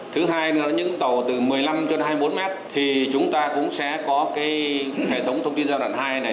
thứ hai những tàu từ một mươi năm hai mươi bốn m thì chúng ta cũng sẽ có hệ thống thông tin giao đoạn hai này